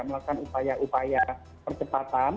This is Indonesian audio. melakukan upaya upaya percepatan